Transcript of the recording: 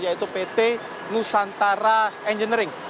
yaitu pt nusantara engineering